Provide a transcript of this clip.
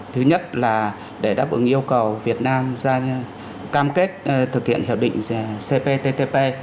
thứ nhất là để đáp ứng yêu cầu việt nam cam kết thực hiện hiệp định cp ttp